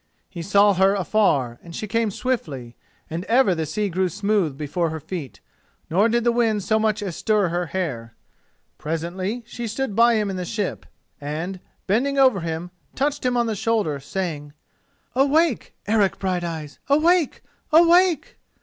He saw her afar, and she came swiftly, and ever the sea grew smooth before her feet, nor did the wind so much as stir her hair. Presently she stood by him in the ship, and, bending over him, touched him on the shoulder, saying: "Awake, Eric Brighteyes! Awake! awake!"